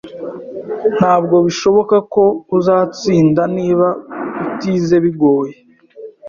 Ntabwo bishoboka ko uzatsinda niba utize bigoye